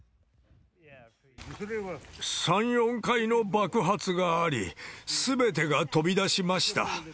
３、４回の爆発があり、すべてが飛び出しました。